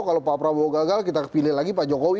kalau pak prabowo gagal kita pilih lagi pak jokowi